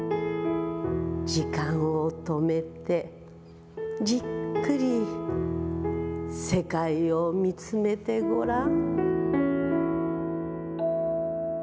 時間を止めて、じっくり世界を見つめてごらん。